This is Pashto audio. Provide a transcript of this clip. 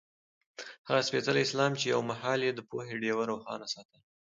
هغه سپېڅلی اسلام چې یو مهال یې د پوهې ډېوه روښانه ساتله.